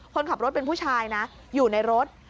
คนขับรถเป็นผู้ชายนะอยู่ในรถ